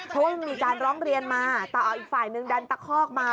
เพราะว่ามันมีการร้องเรียนมาแต่เอาอีกฝ่ายนึงดันตะคอกมา